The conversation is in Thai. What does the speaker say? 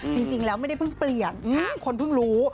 จริงแล้วไม่ได้เพิ่งเปลี่ยนคนเพิ่งรู้